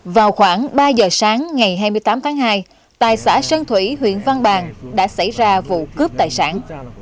vào khoảng ba giờ sáng ngày hai mươi tám tháng hai tại xã sơn thủy huyện văn bàn đã xảy ra vụ cướp tài sản